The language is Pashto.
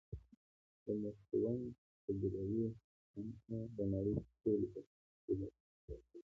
د مستونګ د بودایي خانقاه د نړۍ تر ټولو پخواني بودایي نقاشي لري